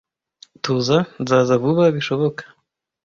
Tuza. Nzaza vuba bishoboka.